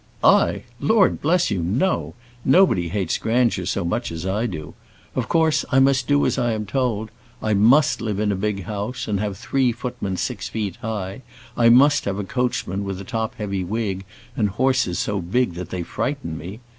"I! Lord bless you, no! Nobody hates grandeur so much as I do. Of course I must do as I am told. I must live in a big House, and have three footmen six feet high. I must have a coachman with a top heavy wig, and horses so big that they frighten me.